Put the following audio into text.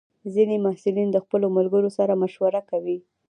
ځینې محصلین د خپلو ملګرو سره مشوره کوي.